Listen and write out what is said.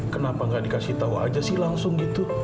kenapa nggak dikasih tahu aja sih langsung gitu